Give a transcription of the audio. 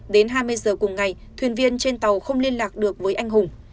đến hai mươi giờ cùng ngày thuyền viên trên tàu không liên lạc được với anh hùng